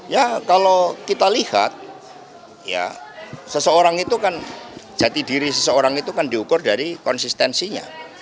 ya kalau kita lihat ya seseorang itu kan jati diri seseorang itu kan diukur dari konsistensinya